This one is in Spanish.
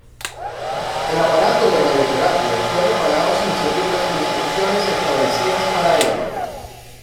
El aparato de radioterapia fue reparado sin seguir las instrucciones establecidas para ello.